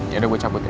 yaudah gua cabut ya